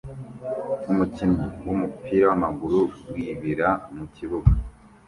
umukinnyi wumupira wamaguru wibira mukibuga